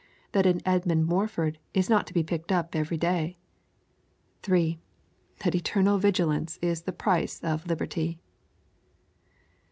That an Edmund Morford is not to be picked up every day. III. That eternal vigilance is the price of liberty.